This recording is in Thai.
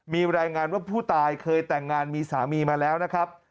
มีรายงานว่าผู้ตายเคยแต่งงานมีสามีมาแล้วนะครับ